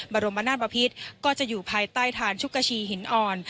บรมนาศบพิษก็จะอยู่ภายใต้ฐานชุกชีหินอ่อน